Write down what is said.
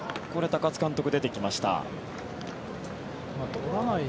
高津監督が出てきました。